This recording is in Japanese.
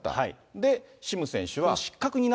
で、シム選手は。